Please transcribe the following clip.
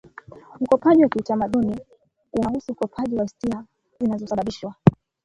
Ukopaji wa kiutamaduni unahusu ukopaji wa istilahi zinazonasibishwa